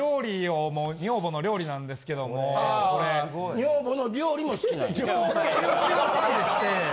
女房の料理も好きでして。